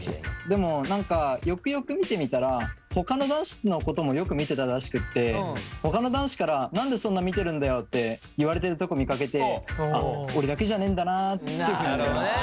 でも何かよくよく見てみたらほかの男子のこともよく見てたらしくってほかの男子から「なんでそんな見てるんだよ」って言われてるとこ見かけてあっ俺だけじゃねえんだなっていうふうに思いました。